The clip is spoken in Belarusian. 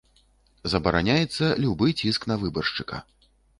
Забараняецца любы ціск на выбаршчыка.